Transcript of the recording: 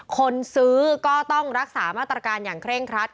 คนซื้อก็ต้องรักษามาตรการอย่างเคร่งครัด